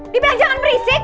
dibilang jangan berisik